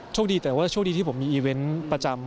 ดีแต่ว่าโชคดีที่ผมมีอีเวนต์ประจำ